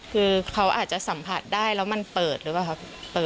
คือเขาอาจจะสัมผัสได้แล้วมันเปิดหรือเปล่าครับ